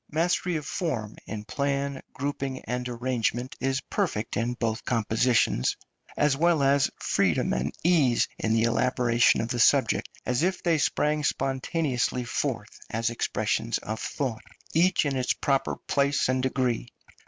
Mastery of form in plan, grouping, and arrangement is perfect in both compositions, as well as freedom and ease in the elaboration of the subjects, as if they sprang spontaneously forth as expressions of thought, each in its proper place and degree.